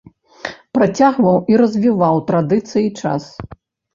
Працягваў і развіваў традыцыі час.